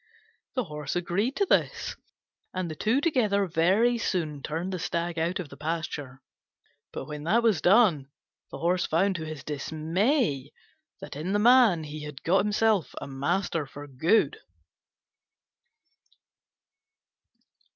The Horse agreed to this, and the two together very soon turned the Stag out of the pasture: but when that was done, the Horse found to his dismay that in the man he had got a master for good.